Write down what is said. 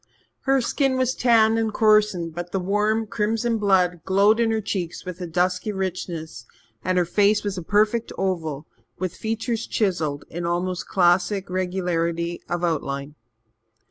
Her skin was tanned and coarsened, but the warm crimson blood glowed in her cheeks with a dusky richness, and her face was a perfect oval, with features chiselled in almost classic regularity of outline.